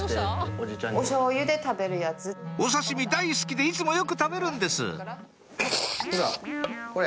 お刺身大好きでいつもよく食べるんですほらこれ。